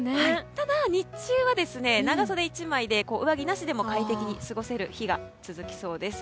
ただ日中は長袖１枚で上着なしでも快適に過ごせる日が続きそうです。